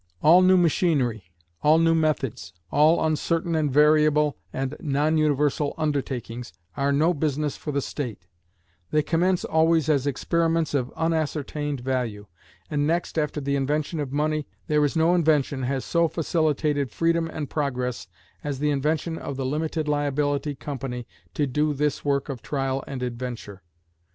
All new machinery, all new methods, all uncertain and variable and non universal undertakings, are no business for the State; they commence always as experiments of unascertained value, and next after the invention of money, there is no invention has so facilitated freedom and progress as the invention of the limited liability company to do this work of trial and adventure.